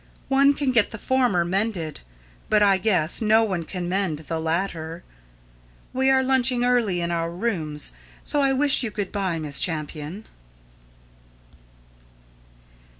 One can get the former mended, but I guess no one can mend the latter. We are lunching early in our rooms; so I wish you good by, Miss Champion."